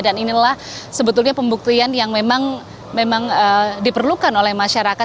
dan inilah sebetulnya pembuktian yang memang diperlukan oleh masyarakat